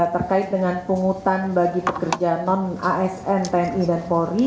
terkait dengan pungutan bagi pekerja non asn tni dan polri